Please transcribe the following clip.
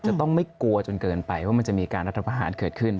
จะต้องไม่กลัวจนเกินไปว่ามันจะมีการรัฐประหารเกิดขึ้น